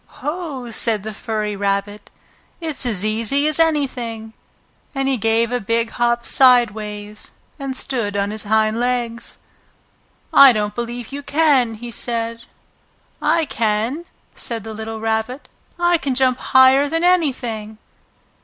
"Ho!" said the furry rabbit. "It's as easy as anything," And he gave a big hop sideways and stood on his hind legs. "I don't believe you can!" he said. "I can!" said the little Rabbit. "I can jump higher than anything!"